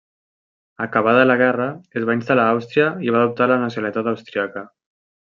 Acabada la guerra es va instal·lar a Àustria i va adoptar la nacionalitat austríaca.